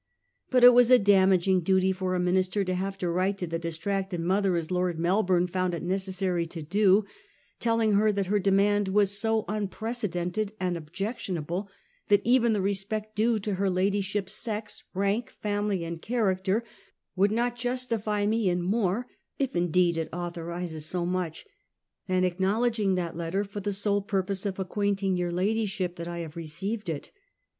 But it was a damaging duty for a minister to have to write to the distracted mother, as Lord Mel bourne found it necessary to do, telling her that her demand was 'so unprecedented and objectionable, that even the respect due to your ladyship's sex, ■ rank, family and character would not justify me in more, if indeed it authorises so much, than acknow ledging that letter for the sole purpose of acquaint ing your ladyship that I have received it.